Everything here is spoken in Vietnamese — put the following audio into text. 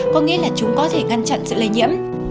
có nghĩa là chúng có thể ngăn chặn sự lây nhiễm